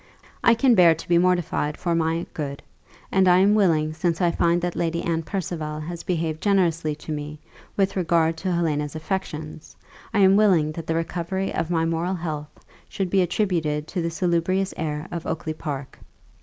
I can bear to be mortified for my good; and I am willing, since I find that Lady Anne Percival has behaved generously to me, with regard to Helena's affections, I am willing that the recovery of my moral health should be attributed to the salubrious air of Oakly park.